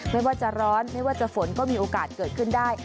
ไม่ว่าจะร้อนไม่ว่าจะฝนก็มีโอกาสเกิดขึ้นได้